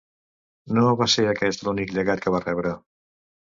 No va ser aquest l'únic llegat que va rebre.